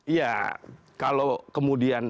iya kalau kemudian